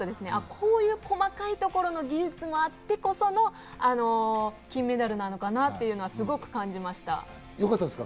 こういう細かいところの技術があってこその金メダルなのかなっていうのはすごく感じました。